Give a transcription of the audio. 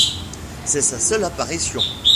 C'est sa seule apparition.